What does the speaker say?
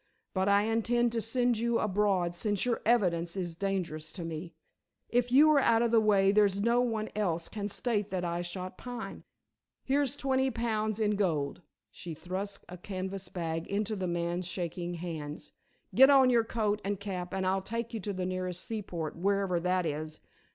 But I intend to send you abroad since your evidence is dangerous to me. If you are out of the way there's no one else can state that I shot Pine. Here's twenty pounds in gold;" she thrust a canvas bag into the man's shaking hands; "get on your coat and cap and I'll take you to the nearest seaport wherever that is.